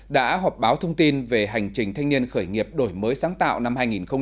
đã họp báo thông tin về hành trình thanh niên khởi nghiệp đổi mới sáng tạo năm hai nghìn hai mươi